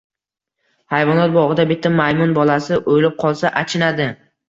Hayvonot bog‘ida bitta maymun bolasi o‘lib qolsa, achinadi